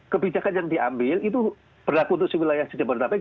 kebijakan yang diambil itu berlaku untuk wilayah jamboree tapek